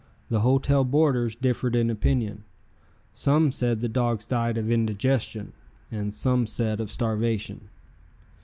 The hotel boarders differed in opinion. Some said the dogs died of indigestion and some said of starvation.